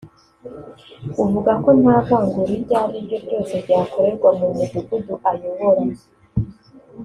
uvuga ko nta vangura iryo ariryo ryose ryakorerwa mu mudugudu ayobora